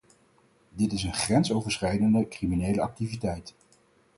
Dit is een grensoverschrijdende criminele activiteit.